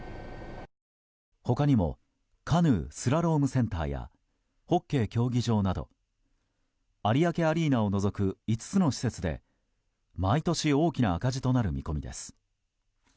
他にもカヌー・スラロームセンターやホッケー競技場など有明アリーナを除く５つの施設で毎年、大きな赤字となる見込みです。